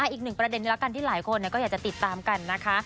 อีก๑ประเด็นนี่แล้วกันที่หลายคนอยากจะติดตามกันนะคะ